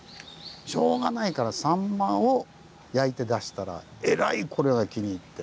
しょうがないからさんまを焼いて出したらえらいこれが気に入って。